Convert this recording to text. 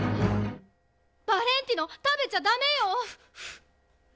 ヴァレンティノ食べちゃダメよ！